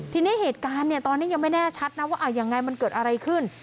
ทีนี้เหตุการณ์เนี่ยตอนนี้ยังไม่แน่ชัดนะว่ายังไงมันเกิดอะไรขึ้น